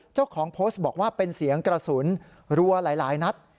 เจ้าของโพสต์บอกว่าเป็นเสียงกระสุนรัวหลายนัด